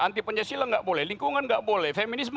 anti pancasila nggak boleh lingkungan nggak boleh feminisme